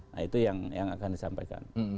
nah itu yang akan disampaikan